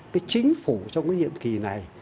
cái chính phủ trong cái nhiệm kỳ này